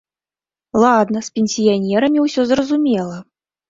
Ладна, з пенсіянерамі ўсё зразумела!